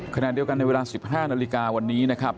ขณะเดียวกันในเวลา๑๕นาฬิกาวันนี้นะครับ